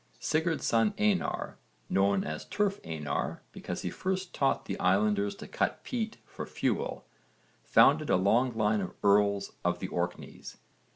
Sigurd's son Einar, known as Turf Einar because he first taught the islanders to cut peat for fuel, founded a long line of earls of the Orkneys.